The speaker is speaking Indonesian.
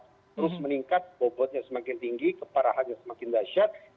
terus meningkat bobotnya semakin tinggi keparahannya semakin dahsyat